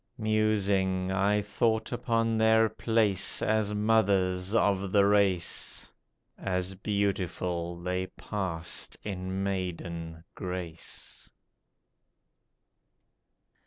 Musing I thought upon their place as mothers of the race, As beautiful they passed in maiden grace.